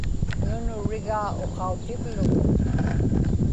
nunurigaa uqautivlugu